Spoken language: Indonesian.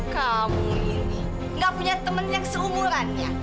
kamu ini gak punya temen yang seumuran ya